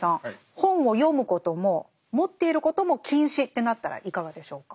本を読むことも持っていることも禁止ってなったらいかがでしょうか。